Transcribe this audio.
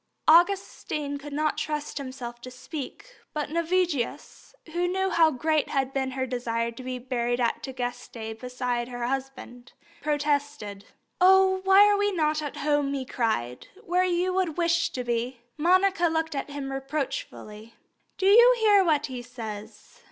Augustine could not trust himself to speak; but Navigius, who knew how great had been her desire to be buried at Tagaste beside her husband, protested. "Oh, why are we not at home," he cried, "where you would wish to be!" Monica looked at him reproachfully. "Do you hear what he says?"